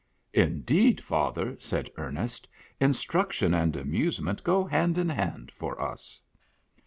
" Indeed, father," said Ernest, " instruction and amusement go hand in hand for us."